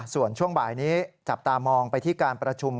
ส่วนช่วงบ่ายนี้จับตามองไปที่การประชุม